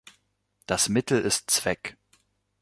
Das Mittel ist Zweck.